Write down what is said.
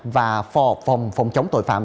và phò phòng phòng chống tội phạm